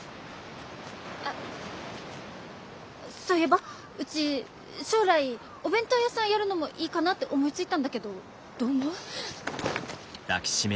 あっそういえばうち将来お弁当屋さんやるのもいいかなって思いついたんだけどどう思う？